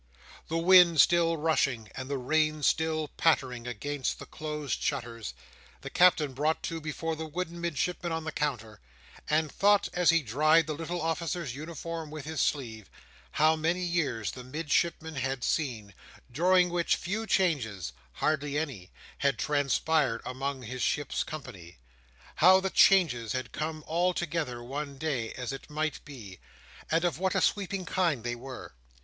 The wind still rushing, and the rain still pattering, against the closed shutters, the Captain brought to before the wooden Midshipman upon the counter, and thought, as he dried the little officer's uniform with his sleeve, how many years the Midshipman had seen, during which few changes—hardly any—had transpired among his ship's company; how the changes had come all together, one day, as it might be; and of what a sweeping kind they were.